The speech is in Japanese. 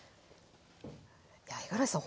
いや五十嵐さん